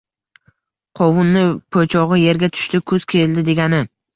Qovunni poʻchogʻi yerga tushdi kuz keldi degani.